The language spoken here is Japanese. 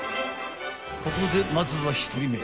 ［ここでまずは１人目］